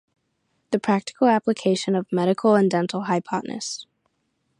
"The Practical Application of Medical and Dental Hypnosis".